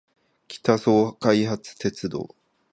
北総開発鉄道